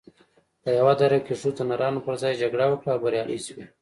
په یوه دره کې ښځو د نرانو پر ځای جګړه وکړه او بریالۍ شوې